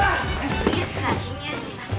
ウイルスが侵入しています。